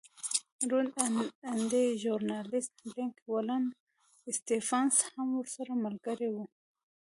روڼ اندی ژورنالېست لینک ولن سټېفنس هم ورسره ملګری و.